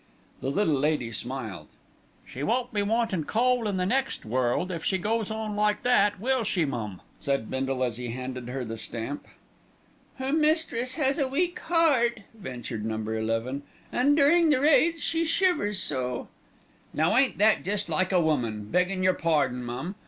The little lady smiled. "She won't be wantin' coal in the next world if she goes on like that, will she, mum?" said Bindle as he handed her the stamp. "Her mistress has a weak heart," ventured Number Eleven, "and during the raids she shivers so " "Now ain't that jest like a woman, beggin' your pardon, mum.